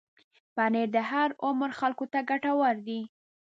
پنېر د هر عمر خلکو ته ګټور دی.